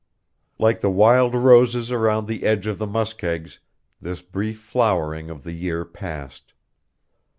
Like the wild roses around the edge of the muskegs, this brief flowering of the year passed.